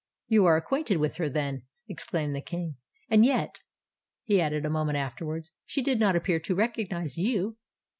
"You are acquainted with her, then!" exclaimed the King. "And yet," he added, a moment afterwards, "she did not appear to recognise you."